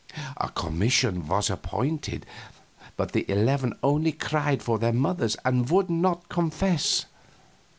A commission was appointed, but the eleven only cried for their mothers and would not confess.